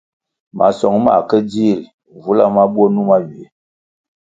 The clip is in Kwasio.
Masong mā ke dzih, ri vula mabwo numa ywiè.